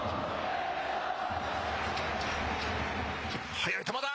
速い球だ。